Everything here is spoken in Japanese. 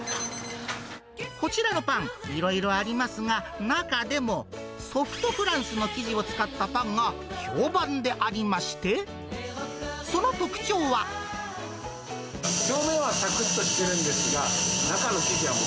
こちらのパン、いろいろありますが、中でもソフトフランスの生地を使ったパンが評判でありまして、表面はさくっとしてるんです